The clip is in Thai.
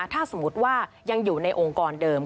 ถ้าสมมุติว่ายังอยู่ในองค์กรเดิม